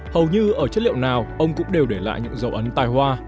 hầu như ở chất liệu nào ông cũng đều để lại những dấu ấn tài hoa